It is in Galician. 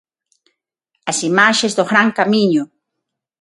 As imaxes do Gran Camiño.